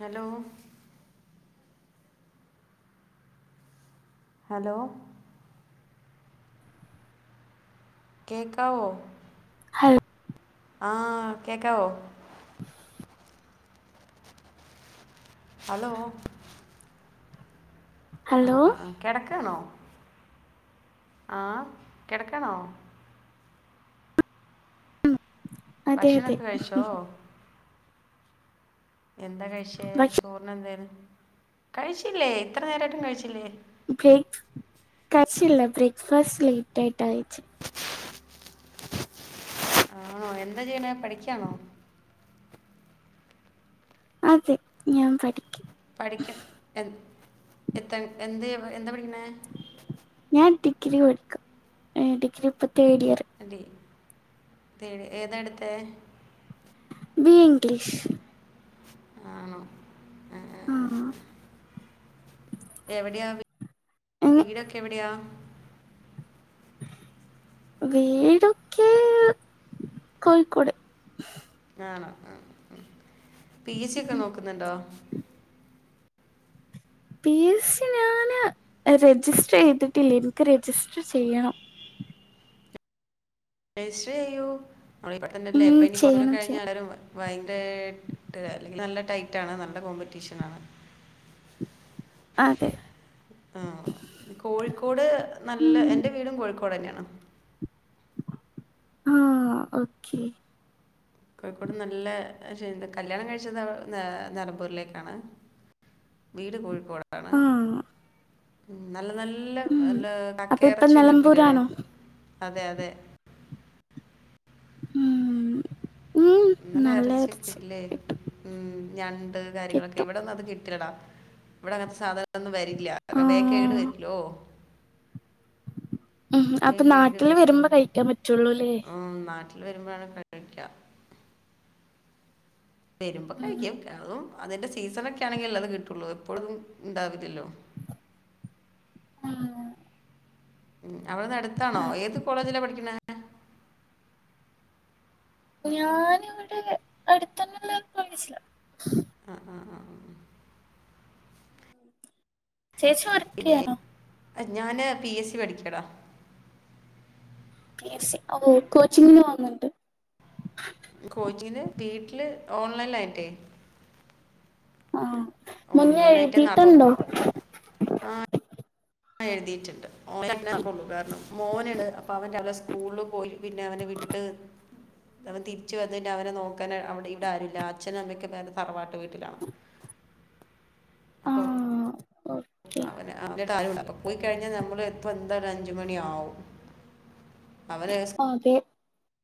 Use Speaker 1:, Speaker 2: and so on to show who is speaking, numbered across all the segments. Speaker 1: Hello? Hello. കേക്കാവോ?
Speaker 2: ഹൽ
Speaker 1: ആഹ് കേക്കാവോ? ഹലോ?
Speaker 2: ഹലോ
Speaker 1: ആഹ് ആഹ് ആഹ് കെടക്കാണോ ആഹ് കെടക്കാണോ?
Speaker 2: അതെ അതെ
Speaker 1: ഭക്ഷണൊക്കെ കഴിച്ചോ? എന്താ കഴിച്ചേ
Speaker 2: ഭക്ഷ
Speaker 1: ചോർണെന്തേന് കഴിച്ചില്ലേ ഇത്ര നേരായിട്ടും കഴിച്ചില്ലേ?
Speaker 2: ബ്രേക്ക് കഴശില്ല ബ്രേക്ക്ഫാസ്റ്റ് ലേറ്റ് ആയിട്ട് കയിച്ചെ.
Speaker 1: ആണോ എന്താ ചെയ്യ്ണേ പഠിക്കാണോ?
Speaker 2: അതെ ഞാൻ പഠിക്ക.
Speaker 1: പഠിക്കും എ എത്ത എന്ത് എന്താ പഠിക്കുന്നേ?
Speaker 2: ഞാൻ ഡിഗ്രി പടിക്ക ഏഹ് ഡിഗ്രി ഇപ്പൊ തേർഡ് ഇയർ.
Speaker 1: അല്ലെ തേഴ് ഏതാടുത്തെ?
Speaker 2: ബി എ ഇംഗ്ലിഷ്
Speaker 1: ആണോ?
Speaker 2: ആഹ്
Speaker 1: എവിടെയാ വീ
Speaker 2: അങ്ങ്
Speaker 1: വീടൊക്കെ എവിടെയാ?
Speaker 2: വീടൊക്കെ കോഴിക്കോട്
Speaker 1: ആണോ ആഹ് ഉം പി എസ് സി ഒക്കെ നോക്കുന്നുണ്ടോ?
Speaker 2: പി എസ് സി ഞാന് രജിസ്റ്റർ ചെയ്തിട്ടില്ല ഇൻക്ക് രജിസ്റ്റർ ചെയ്യണം.
Speaker 1: രജിസ്റ്റർ ചെയ്യു [unintelligible]
Speaker 2: ഉം
Speaker 1: ഇപ്പൊ ഇനി കൊറച്ചൂടെ
Speaker 2: ചെയ്യണം
Speaker 1: കഴിഞ്ഞ
Speaker 2: ചെയ്യണം
Speaker 1: എരും [unintelligible] അല്ലെങ്കിൽ നല്ല ടൈറ്റ് ആണ് നല്ല കോമ്പറ്റീഷനാണ്.
Speaker 2: അതെ
Speaker 1: ആഹ് കോഴിക്കോട് നല്ല
Speaker 2: ഉം
Speaker 1: എന്റെ വീടും കോഴിക്കോട് തന്നെയാണ്.
Speaker 2: ആഹ് ഓക്കേ
Speaker 1: കോഴിക്കോട് നല്ല [unintelligible] കല്യാണം കഴിച്ചത് ന്ന നലമ്പൂരിലേക്കാണ്. വീട് കോഴിക്കോടാണ്.
Speaker 2: ആഹ്
Speaker 1: ഉം നല്ല നല്ല
Speaker 2: ഉം
Speaker 1: നല്ല
Speaker 2: അപ്പൊ ഇപ്പൊ
Speaker 1: കക്കയറച്ചി കിട്ടുലേടെ?
Speaker 2: നിലമ്പൂരാണോ
Speaker 1: അതെ അതെ
Speaker 2: ആഹ്
Speaker 1: ഇന്നലെ എർച്ചിക്കെ കിട്ടിലേ?
Speaker 2: കിട്ടും
Speaker 1: ഉം ഞണ്ട് കാര്യങ്ങളൊക്കെ
Speaker 2: കിട്ടും
Speaker 1: ഇവിടെന്ന് അത് കി ട്ടില്ലടാ ഇവടെ അങ്ങൻത്തെ സാധണനൊന്നും വരില്ല വേം കേട്
Speaker 2: ആഹ്
Speaker 1: വരല്ലോ.
Speaker 2: ഉം
Speaker 1: വേം
Speaker 2: അപ്പൊ
Speaker 1: കേട്
Speaker 2: നാട്ടില്
Speaker 1: വരുല്ലോ
Speaker 2: വരുമ്പോ കഴിക്കാൻ പറ്റുള്ളൂല്ലേ
Speaker 1: ആഹ് നാട്ടിൽ വരുമ്പോഴാണ് കഴിക്ക. വരുമ്പോം
Speaker 2: ഉം
Speaker 1: കഴിക്കും അതും അതിന്റെ സീസണൊക്കെ ആണെങ്കിൽ അല്ലേ അത് കിട്ടുള്ളൂ എപ്പഴും ഉണ്ടാവില്ലല്ലോ.
Speaker 2: ആഹ്
Speaker 1: ഉം അവിടുന്നടുത്താണോ ഏത് കോളേജിലാ പഠിക്കിണേ?
Speaker 2: ഞാന് വ്ടെ അട്ത്തന്നെള്ള കാേളേജില.
Speaker 1: ആഹ് ആഹ് ആഹ് ആഹ് ആഹ്
Speaker 2: ചേച്ചി വർ
Speaker 1: ക്കിനെ അഹ് ഞാന് പി എസ് സി പഠിക്കടാ?
Speaker 2: പി എസ് സി [unintelligible] കോച്ചിങ്ങിന് പോകുന്നുണ്ട്.
Speaker 1: കോച്ചിങ്ങിന് വീട്ടില് ഓൺലൈനിലായിട്ടെ.
Speaker 2: ആഹ് മുന്നേ
Speaker 1: ഓൺലൈനിലായിട്ടേ നടക്കുള്ളൂ
Speaker 2: എഴുതിട്ടുണ്ടോ
Speaker 1: ആഹ് എഴുതിയിട്ടുണ്ട് [unintelligible] [unintelligible] കാരണം മോന്ണ് അപ്പൊ അവൻ രാവിലെ സ്കൂളില് പോയി പിന്നെ അവനെ വിട്ട് അവൻ തിരിച്ച് വന്ന് കഴിഞ്ഞ അവന നോക്കാൻ അവിടെ ഇവിടെ ആരുല്ല അച്ഛനും അമ്മേക്ക വേറെ തറവാട്ട് വീട്ട് ത്തിലാണ് അപ്പൊ
Speaker 2: ആഹ് ഓഹ്
Speaker 1: അവനാ [unintelligible] [unintelligible] പ്പൊ പോയിക്കഴിഞ്ഞാ നമ്മള് എപ്പ എന്താണ് അഞ്ച് മണിയാവും അവരെക്ക സ
Speaker 2: ആഹ് അതെ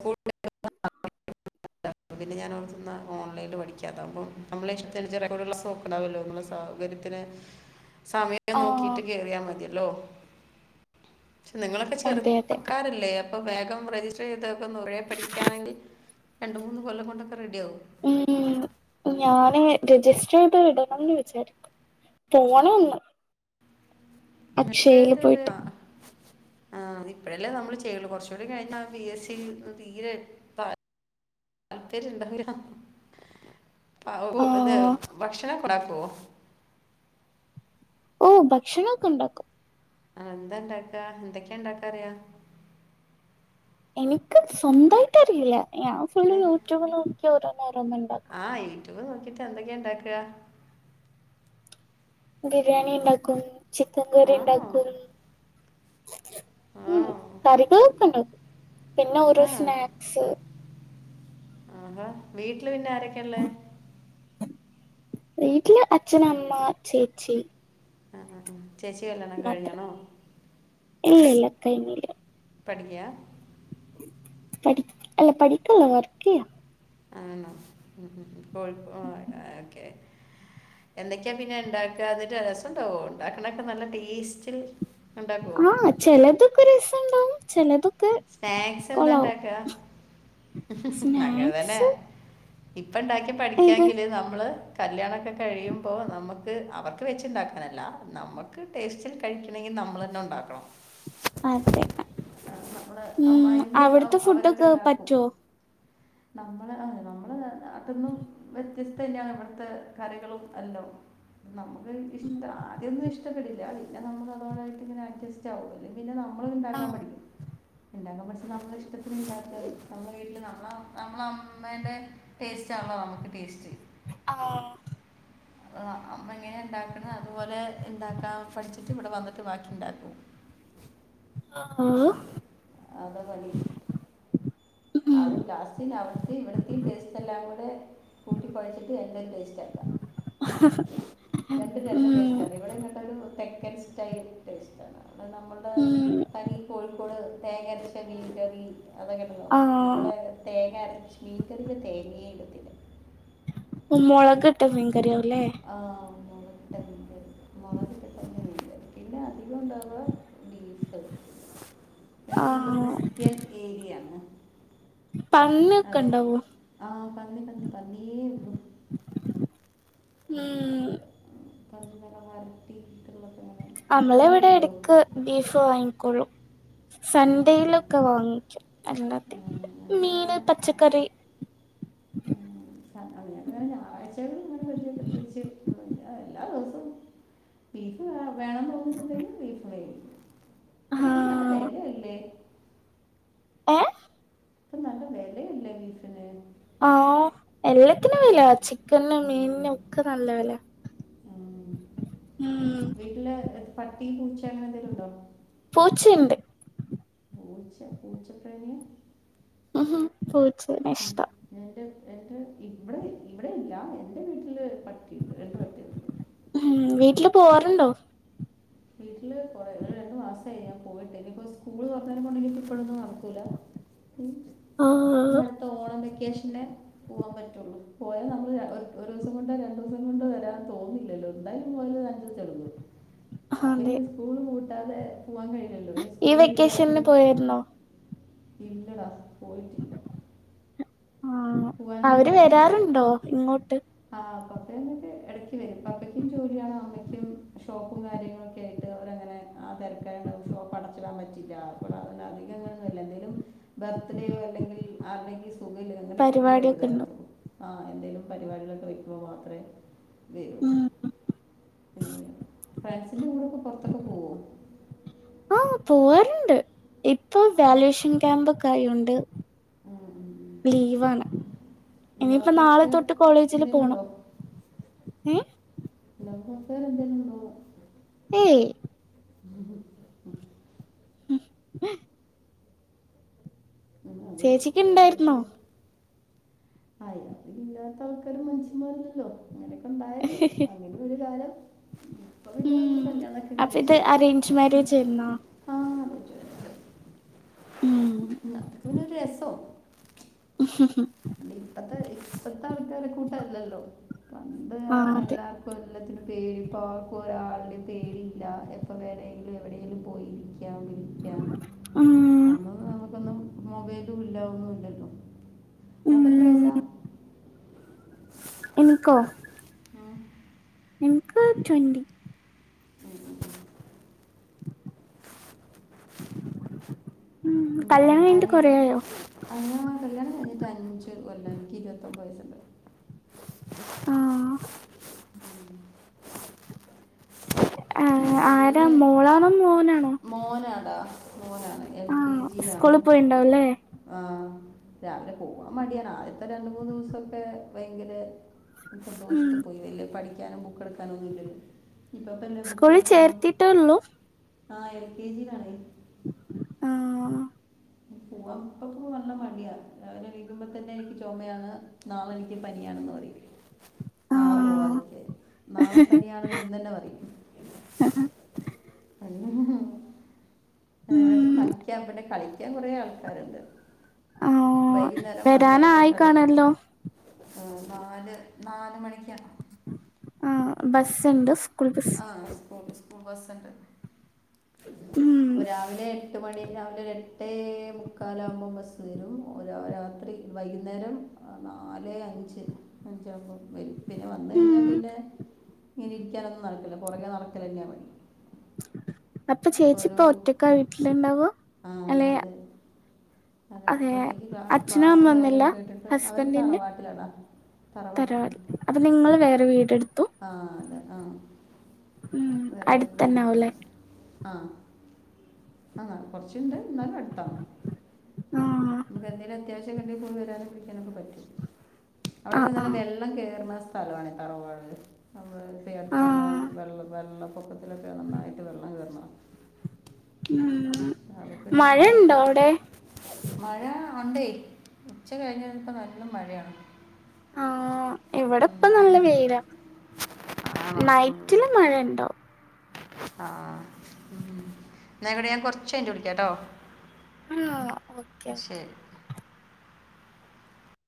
Speaker 1: ഫുഡ്‌ [unintelligible] [unintelligible] [unintelligible] അപ്പ പിന്ന ഞാന് ഓർത്തുന്ന ഓൻലൈനിൽ പഠിക്കാത്താവുമ്പം നമ്മള ഇഷ്ടനുസരിച്ച് റെക്കോട ക്ലാസ്സും [unintelligible] നമ്മുടാ സൗകര്യത്തിന് സമയം നോക്കിട്ട്
Speaker 2: ആഹ്
Speaker 1: കേറിയാ മതിയല്ലോ ക്ഷെ നിങ്ങളൊക്കെ
Speaker 2: അതെ അതെ
Speaker 1: ചെറുപ്പക്കാരല്ലേ അപ്പൊ വേഗം രജിസ്റ്ററ് ചെയ്ത്ക്ക് ഒന്ന് [unintelligible] പഠിക്കുയാണെങ്കിൽ രണ്ട് മൂന്ന് കൊല്ലം കൊണ്ടൊക്ക റെഡിയാവും
Speaker 2: ഉം ഞാനും രജിസ്റ്ററ് ചെയ്ത് ഇടണംന്ന് വിച്ചാരി പോണം ഒന്ന് അക്ഷയയില് പോയിട്ട്
Speaker 1: ആഹ് അത് ഇപ്പഴല്ലേ നമ്മള് ചെയ്യൊള്ളൂ കൊറച്ചുകൂടി കഴിഞ്ഞാ പി എസ് സി തീരെ ഇപ്പ താല്പര്യം ഇണ്ടാവ [unintelligible] [unintelligible] ഇത്
Speaker 2: ആഹ്
Speaker 1: ഭക്ഷണക്ക ഒണ്ടക്കോ
Speaker 2: ഓഹ് ഭക്ഷണോക്ക ഉണ്ടാക്കും
Speaker 1: ആഹ് എന്താ ഇണ്ടാക്കാ എന്തെക്കെയാ ഇണ്ടാക്കാ അറിയാ
Speaker 2: എനിക്ക് സ്വന്തായിട്ട് അറിയില്ല ഞാൻ ഫുള്ള്
Speaker 1: ഏ?
Speaker 2: യൂട്യൂബ് നോക്കി ഓരോന്ന് ഓരോന്ന് ഒണ്ടാക്കും
Speaker 1: യുട്യൂബ് നോക്കീട്ട് എന്തെക്കെയാ ഒണ്ടാക്ക
Speaker 2: ബിരിയാണി ഇണ്ടാക്കും ചിക്കൻകറി
Speaker 1: ആണോ
Speaker 2: ഇണ്ടാക്കും ഉം
Speaker 1: ആണോ
Speaker 2: കറികളൊക്കണ്ടാക്കും പിന്ന ഓരോ
Speaker 1: ആ
Speaker 2: സ്നാക്സ്
Speaker 1: ആഹാ വീട്ടില് പിന്ന ആരെക്കെയാ ഇള്ളേ
Speaker 2: വീട്ടില് അച്ഛൻ അമ്മ ചേച്ചി
Speaker 1: ആഹ് ആഹ് ആഹ് ചേച്ചി കല്യാണം
Speaker 2: മാത്രം
Speaker 1: കഴിഞ്ഞാണോ
Speaker 2: ഇല്ല ഇല്ല കൈഞ്ഞില്ല
Speaker 1: പഠിക്കാ
Speaker 2: പഠി അല്ല പഠിക്കല്ല വർക്ക്യ്യ
Speaker 1: ആണോ ഉം ഉം [unintelligible] ഓക്കെ എന്തെക്കെയാ പിന്നെ ഞാൻ ഇണ്ടാക്ക എന്നിട്ട് രസംണ്ടാവോ ഉണ്ടാക്കണെക്ക നല്ല ടേസ്റ്റിൽ ഉണ്ടാക്കുമോ
Speaker 2: ആഹ് ചെലതൊക്ക രസംണ്ടാവും ചെലത്
Speaker 1: സ്നാക്സ് എന്താ ഇണ്ടാക്ക അങ്ങനെ തന്നെ
Speaker 2: സ്നാക്സ്
Speaker 1: ഇപ്പ ഇണ്ടാക്കി
Speaker 2: ഏത്
Speaker 1: പഠിക്കാങ്കില് നമ്മള് കല്ല്യാണക്ക കഴിയുമ്പോ നമ്മക്ക് അവർക്ക് വെച്ച് ഇണ്ടാക്കാനല്ല നമ്മുക്ക് ടേസ്റ്റിൽ കഴിക്കണങ്കി നമ്മള് തന്ന ഒണ്ടാക്കണം
Speaker 2: അതെ
Speaker 1: നമ്മള്
Speaker 2: ഉം
Speaker 1: അമ്മായിയമ്മയും അവ്
Speaker 2: അവിടുത്തെ
Speaker 1: അവരൊക്ക
Speaker 2: ഫുഡൊക്കെ
Speaker 1: ഇണ്ടാക്കും
Speaker 2: പറ്റുവോ
Speaker 1: നമ്മള ആ നമ്മളാ നാട്ട്ന്നും വ്യത്യസ്ത ഇല്ലാതെ ഇവടത്ത കറികളും എല്ലാം നമ്മുക്ക് ഇഷ്ടം ആദ്യം ഒന്നും ഇഷ്ടപ്പെടില്ല പിന്ന നമ്മള് അതോടായിട്ട് ഇങ്ങനാ അഡ്ജസ് റ്റ് ആവൂല പിന്ന നമ്മള് ഇണ്ടാക്കാൻ
Speaker 2: ആഹ്
Speaker 1: പഠിക്കും ഇണ്ടാക്കാൻ പഠിച്ച നമ്മള ഇഷ്ടത്തിന് ഇണ്ടാക്കാം നമ്മള വീട്ടില് നമ്മള നമ്മള അമ്മേന്റെ ടേസ്റ്റ് ആണല്ലോ നമ്മക്ക് ടേസ്റ്റ്
Speaker 2: ആഹ്
Speaker 1: എങ്ങനെ ഉണ്ടാക്കണം അതുപോലെ ഇണ്ടാക്കാ പഠിച്ചിട്ട് ഇവിടെ വന്നിട്ട് ബാക്കി ഉണ്ടാക്കും
Speaker 2: ആഹ്
Speaker 1: അത വലി
Speaker 2: ഉം
Speaker 1: അത ലാസ്റ്റന്നാ അവിടുത്തെ ഇവിടത്തെയും ടേസ്റ്റ് എല്ലാം കൂടെ കൂട്ടി കൊഴച്ചിട്ട് എന്ത ഒരു ടേസ്റ്റ് ആക്ക
Speaker 2: ആഹ്
Speaker 1: രണ്ടും രണ്ട് ടേസ്റ്റ് ആണ് ഇവിടെ നിങ്ങട്ട ഒരു തെക്കൻ സ്റ്റൈൽ ടേസ്റ്റ് ആണ് അത് നമ്മുടെ
Speaker 2: ഉം
Speaker 1: തനി കോഴിക്കോട് തേങ്ങരച്ച ബീഫറി അതൊക്കെഉണ്ടല്ലോ
Speaker 2: ആഹ്
Speaker 1: ഇവിടെ തേങ്ങരച്ച മീൻകറീല് തേങ്ങേ ഇടത്തില്ല
Speaker 2: മ മളകിട്ട മീൻകറി യാകൂല്ലെ
Speaker 1: ആ മുളകിട്ട മീൻകറി മൊളകിട്ട മീൻകറി പിന്നെ അധികം ഉണ്ടാകുക ബീഫ് ഞങ്ങൾ ഫുൾ
Speaker 2: ആഹ്
Speaker 1: ക്രിസ്ത്യൻ ഏരിയാണ്
Speaker 2: പന്നിയൊക്കെ
Speaker 1: അതോ
Speaker 2: ഉണ്ടാവോ
Speaker 1: ആഹ് പന്നി പന്നി പന്നിയേ
Speaker 2: ഉം
Speaker 1: ന്നരം വരത്തിട്ടക്ക കഴ പന്നി
Speaker 2: നമ്മളെവിടെ
Speaker 1: കഴിക്കോ
Speaker 2: ഇടക്ക് ബീഫ് വാങ്ങികൊള്ളു
Speaker 1: ആ
Speaker 2: സൺഡേയിലൊക്കെ വാങ്ങിക്കും അങ്ങനത്തെ
Speaker 1: ഞങ്ങൾക്കങ്ങനെ
Speaker 2: മീന് പച്ചക്കറി
Speaker 1: ക്കെ ഞായറാഴ്ച്ചെയ്യും അങ്ങനെ വണ്ടിയയേച്ച എല്ലാ ദിവസവും ബീഫ് വേണം
Speaker 2: ഉ
Speaker 1: അപ്പൊ ന നല്ല വെലയല്ലേ
Speaker 2: ഏഹ്
Speaker 1: ഇപ്പ നല്ല വെലയല്ലേ ബീഫിന്
Speaker 2: ആഹ് എല്ലാത്തിനും വെലയാ
Speaker 1: ഉം.
Speaker 2: ചിക്കനും
Speaker 1: ഉം.
Speaker 2: മീനിനും ഒക്കെ നല്ല വെല ഉം
Speaker 1: ഇല്ല പട്ടി പൂച്ച അങ്ങനെ എന്തെങ്കിലും ഉണ്ടൊ
Speaker 2: പൂച്ചയുണ്ട്
Speaker 1: പൂച്ച പൂച്ചപ്പേന്
Speaker 2: ഉ പൂച്ചേനെ ഇഷ്ട്ടം
Speaker 1: എന്റെ ഇവിടെ ഇവിടെയില്ല എന്റെ വീട്ടില് പട്ടിയുണ്ട് രണ്ട് പട്ടികളുണ്ട്
Speaker 2: ഉ വീട്ടില് പോവാറുണ്ടൊ
Speaker 1: വീട്ടില് കൊറേ രണ്ട് മാസമായി ഞാൻ പോയിട്ട് ഇനിയിപ്പോൾ സ്കൂള് തുറന്നതിനെ കൊണ്ട് ഇനി ഇപ്പൊ ഇപ്പൊഴൊന്നും നട ക്കൂല
Speaker 2: ആഹ്
Speaker 1: ഇനിഅടുത്തെ ഓണം വെക്കേഷനെ പോവാൻ പറ്റുള്ളൂ പോയാൽ നമ്മള് ഒരു ദിവസം കൊണ്ടോ രണ്ട് ദിവസം കൊണ്ടോ വരാൻ തോന്നൂലല്ലൊ എന്തായാലും ഒരു അഞ്ച് ദിവസം എടുക്കും അപ്പൊ
Speaker 2: അതെ
Speaker 1: ഇനി സ്കൂള് പൂട്ടാതെ പോവാൻ കഴിയില്ലല്ലോ ന്നി സ്കൂള് ലീവ് ആക്കീന്ന്‌
Speaker 2: പർണോ
Speaker 1: ഇല്ലടാ പോയിട്ടില്ല
Speaker 2: ആഹ്
Speaker 1: പോകാനൊന്നും
Speaker 2: അവര് വരാറുണ്ടോ ഇങ്ങോട്ട്
Speaker 1: ആഹ് പപ്പ അപ്പൊക്കെ ഇടക്ക് വരും അപ്പ അപ്പയ്ക്കും ജോലിയാണ് അമ്മയ്ക്കും ഷോപ്പും കാര്യങ്ങളും ഒക്കെ ആയിട്ട് അവരങ്ങനെ ആഹ് തിരക്ക ദിവസവും ഷോപ്പ് അ ടച്ചിടാൻ പറ്റില്ല അപ്പൊ അത അധികങ്ങൊന്നുംമല്ല എന്തേലും ബർത്ത്ടെയൊ അല്ലെങ്കിൽ ആരുടേങ്കി ചല് അങ്ങനെയൊക്കക്കൊക്കെ വര്
Speaker 2: പരിപാടിയൊക്കെ ഉണ്ടോ
Speaker 1: തരത്തുള്ളൂ ആഹ് എന്തേലും പരിപാടികളൊക്കെ വെക്കുമ്പോൾ മാത്രമേ വരുള്ളൂ
Speaker 2: ഉം
Speaker 1: പിന്നെ ഫ്രണ്ട്സിൻ്റെ കൂടൊക്കെ പൊറത്തൊക്കെ പോവോ
Speaker 2: ആഹ് പോവാറുണ്ട് ഇപ്പൊ വല്വേഷൻ ക്യാമ്പൊക്കെ ആയോണ്ട്
Speaker 1: ഉം
Speaker 2: പ ലീവാണ് ഇനിയിപ്പ നാളെ
Speaker 1: അഫെയർ
Speaker 2: തൊട്ട് കോളേജില്
Speaker 1: എന്തെങ്കിലും
Speaker 2: പോണം
Speaker 1: ഉണ്ടോ
Speaker 2: ഏഹ്
Speaker 1: എല്ലാവർക്കൊക്കെ എന്തേലും ഉണ്ടാവും.
Speaker 2: ഏയ്
Speaker 1: അത്
Speaker 2: ചേച്ചിക്ക് ഇണ്ടായിരുന്നോ
Speaker 1: ഏകദേശം അയാള് ഇല്ലാത്ത ആൾക്കാര് മനുഷന്മാരല്ലല്ലോ. അങ്ങനെയൊക്കെ ഉണ്ടായ അങ്ങനൊരു കാലം. ഇപ്പൊ പിന്നെ നമ്മള്
Speaker 2: ഉം
Speaker 1: കല്യാണമൊക്കെ
Speaker 2: അപ്പൊ ഇത്
Speaker 1: കഴിച്ചേ
Speaker 2: അറേഞ്ച് മാരേജ് ആയിരുന്നോ
Speaker 1: ആഹ്
Speaker 2: ഉം
Speaker 1: ഞങ്ങൾക്ക് പിന്നെ ഒരു രസോ. ഇപ്പത്തെ ഇപ്പത്തെ ആൾക്കാരെക്കൂട്ടല്ലല്ലോ. പണ്ട്
Speaker 2: ആഹ് അതെ
Speaker 1: അല്ലാ കൊല്ലത്തിന് പേടി. ഇപ്പ ആർക്കും ഒരാളുടെയും പേടി ഇല്ല. എപ്പ വേണെങ്കിലും എവിടേലും പോയി ക്കാം വിളിക്കാം.
Speaker 2: ഉം
Speaker 1: അന്നൊന്നും നമുക്കൊന്നും മൊബൈലും ഇല്ല. ഒന്നും ഇല്ലല്ലോ.
Speaker 2: ഉം
Speaker 1: മോൾക്ക് എത്ര വയസ്സാ?
Speaker 2: എനിക്കോ?
Speaker 1: ആഹ്
Speaker 2: എനിക്ക് ട്വൻ്റി.
Speaker 1: ഉം.
Speaker 2: ഉം
Speaker 1: ഞാന്
Speaker 2: കല്യാണം കഴിഞ്ഞിട്ട്
Speaker 1: ആന്
Speaker 2: കൊറേ ആയോ
Speaker 1: അല്ല കല്യാണംകഴിഞ്ഞിട്ട് അഞ്ച് കൊല്ലായി. എനിക്ക് ഇരുപത്തൊൻമ്പത് വയസ്സുണ്ട്.
Speaker 2: ആഹ്
Speaker 1: ഉം
Speaker 2: ആഹ് ആരാ
Speaker 1: കുഞ്ഞിന്
Speaker 2: മോളാണോ മോനാണോ?
Speaker 1: മോനാടാ മോനാണ്. എൽ കെ
Speaker 2: ആഹ്
Speaker 1: ജിയിലാണ്.
Speaker 2: സ്കൂളിൽ
Speaker 1: സ്കൂൾ
Speaker 2: പോയിണ്ടാവുംല്ലേ
Speaker 1: ആഹ് രാവിലെ പോവാൻ മടിയാണ്. ആദ്യത്തെ രണ്ടു മൂന്നു ദിവസൊക്കെ ഭയങ്കര
Speaker 2: ഉം
Speaker 1: സന്തോഷത്തിപോയി. വല്യപഠിക്കാനോ ബുക്ക് എടുക്കാനോ ഒന്നും ഇല്ലല്ലോ. ഇപ്പപ്പെ അല്ലെ ബു
Speaker 2: ചേർത്തീട്ടുള്ളൂ.
Speaker 1: ആഹ് എൽ കെ ജിയിലാണ്.
Speaker 2: ആഹ്.
Speaker 1: പോവാൻ ഇപ്പൊ പോവാൻ നല്ല മടിയാ. രാവിലെ എണീക്കുമ്പോ തന്നെ എനിക്ക് ചുമയാണ്. നാളെ എനിക്ക് പനിയാണെന്ന് പറയില്ലേ. നാളെ
Speaker 2: ആഹ്
Speaker 1: പോവാതിരിക്കാൻ. നാളെ പനിയാണെന്ന് ഇന്ന് തന്നെ പറയും. പനി [unintelligible]
Speaker 2: ഉം
Speaker 1: കളിക്കാൻ പിന്നെ കളിക്കാൻ കുറേ ആൾക്കാരുണ്ട്.
Speaker 2: ആഹ്
Speaker 1: വൈകുന്നേരം വന്നു കഴിഞ്ഞാ
Speaker 2: വരാനായി
Speaker 1: കളി
Speaker 2: കാണല്ലോ
Speaker 1: ഏഹ് നാല് നാലു മണിക്കാണോ?
Speaker 2: ആഹ് ബസ്സ് ഇണ്ട് സ്കൂള് ബ
Speaker 1: ആഹ് സ്കൂൾ സ്കൂൾ ബസ്സുണ്ട്.
Speaker 2: ഉം
Speaker 1: രാവിലെ എട്ട് മണി രാവിലെ ഒരു എ ട്ടേ മുക്കാലാവുമ്പോ ബസ്സ് വരും. ഒര രാത്രി വൈകുന്നേരം അഹ് നാലേ അഞ്ച് അഞ്ചാഉമ്പം വരും. പിന്നെ വന്നഴിഞ്ഞാ
Speaker 2: ഉം
Speaker 1: പിന്നെ ഇങ്ങനെ ഇരിക്കാനൊന്നും നടക്കില്ല. പുറകെ നടക്കലന്നെ പണി.
Speaker 2: അപ്പൊ
Speaker 1: ഇപ്പോൾ
Speaker 2: ചേച്ചി ഇപ്പ
Speaker 1: ഒരു
Speaker 2: ഒറ്റക്കാ വീട്ടിലുണ്ടാവാ.
Speaker 1: ആ
Speaker 2: അല്ലെ
Speaker 1: അതെ അതെ ഒറ്റയ്ക്ക് ക്ലാ
Speaker 2: അച്ഛനും
Speaker 1: ക്ലാസ്സും
Speaker 2: അമ്മ ഒന്നുല്ല
Speaker 1: കാര്യങ്ങളൊക്കെ കേട്ടിട്ട് അവര്
Speaker 2: ഹസ്ബൻഡിന്റെ
Speaker 1: തറവാട്ടിലാടാ. തറവാട്ടിലാ.
Speaker 2: അപ്പ നിങ്ങള് വേറെ വീടെടുത്തു.
Speaker 1: ആഹ് അതെ ആഹ്
Speaker 2: ഉം
Speaker 1: വേറെ വീട്
Speaker 2: അടുത്തന്നെ
Speaker 1: എടുത്തു
Speaker 2: ആവുല്ലേ
Speaker 1: [unintelligible] ആഹ് ആഹ് കൊർച്ണ്ട്. ന്നാലും അടുത്താണ്.
Speaker 2: ആഹ്
Speaker 1: നമുക്ക് എന്തെലും അത്യാ റ്റക്കെന്തെ പോയ്‌ വരാനും പിടിക്കാനൊക്കെ പറ്റും. അവിടെക്കെ
Speaker 2: ആഹ്
Speaker 1: നല്ല
Speaker 2: ആഹ്
Speaker 1: വെള്ളം കേറ്ണ സ് തലമാന് ഈ തറവാട് നമ്മൾ ഇപ്പടുത്ത് വന്ന
Speaker 2: ആഹ്
Speaker 1: വെള്ളം വെള്ളപ്പൊക്ക ഇതിലൊക്കെ നന്നായിട്ട് വെള്ളം കെർണ
Speaker 2: ഉം
Speaker 1: അതൊക്കെ ഒരു നാടും
Speaker 2: മഴണ്ടോ
Speaker 1: വീടൊക്കെ
Speaker 2: അവ്ടെ
Speaker 1: മഴ ഒണ്ടേ ഉച്ച കഴിഞ്ഞപ്പോ നല്ല മഴയാണ്
Speaker 2: ആഹ് ഇവിടെ ഇപ്പ
Speaker 1: ഉം,
Speaker 2: നല്ല
Speaker 1: ഉം,
Speaker 2: വെയില നൈറ്റില് മഴ ഉണ്ടാവും
Speaker 1: അഹ് ആഹ് ഉം എന്നയ് കോട്ടെ ഞാൻ കൊറച്ചഴിഞ്ഞിട്ട് വിളിക്കാട്ടോ
Speaker 2: ആഹ് ഓക്കെ ഒക്കെ
Speaker 1: ശരി